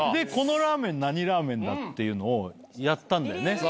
このラーメン何ラーメンだっていうのをやったんだよね。